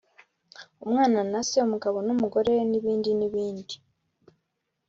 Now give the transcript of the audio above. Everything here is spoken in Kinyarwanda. umwana na se, umugabo n’umugore n’ibindi n’ibindi,